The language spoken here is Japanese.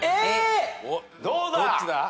どうだ？